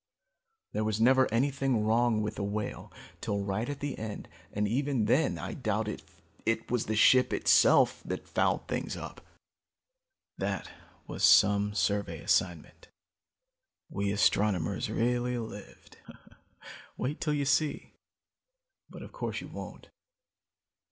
There was never anything wrong with the Whale till right at the end and even then I doubt if it was the ship itself that fouled things up. "That was some survey assignment. We astronomers really lived. Wait till you see but of course you won't.